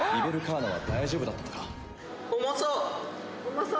重そう。